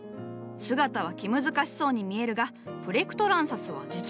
姿は気難しそうに見えるがプレクトランサスは実は観葉植物じゃ。